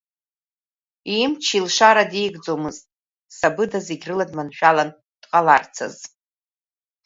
Имч-илшара деигӡомызт Сабыда зегь рыла дманшәалан дҟаларцаз.